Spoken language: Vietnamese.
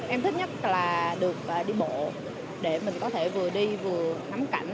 em thích nhất là được đi bộ để mình có thể vừa đi vừa ngắm cảnh